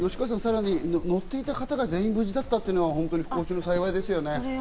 乗っていた方が全員無事だったっていうのは本当に不幸中の幸いですよね。